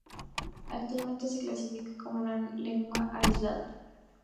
Actualmente se la clasifica como una lengua aislada.